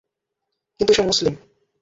কিন্তু সে মুসলিম।